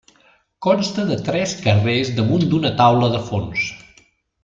Consta de tres carrers damunt d'una taula de fons.